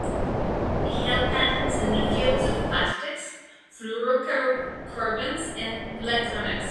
He held patents in the fields of plastics, fluorocarbons, and electronics.